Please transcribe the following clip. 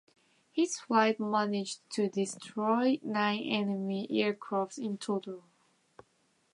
His flight managed to destroy nine enemy aircraft in total.